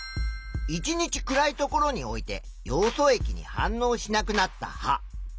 １日暗い所に置いてヨウ素液に反応しなくなった葉。